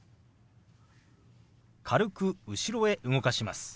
軽く後ろへ動かします。